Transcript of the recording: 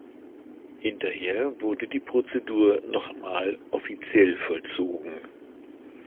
Hinterher wurde die Prozedur noch mal „offiziell“ vollzogen.